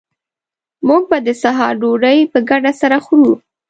موږ به د سهار ډوډۍ په ګډه سره خورو